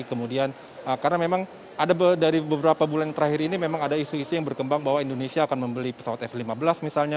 kemudian karena memang ada dari beberapa bulan terakhir ini memang ada isu isu yang berkembang bahwa indonesia akan membeli pesawat f lima belas misalnya